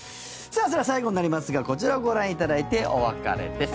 さあ、それでは最後になりますがこちらをご覧いただいてお別れです。